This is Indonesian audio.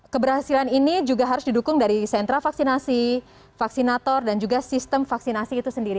keberhasilan ini juga harus didukung dari sentra vaksinasi vaksinator dan juga sistem vaksinasi itu sendiri